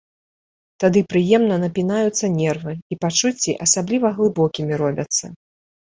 Тады прыемна напінаюцца нервы і пачуцці асабліва глыбокімі робяцца.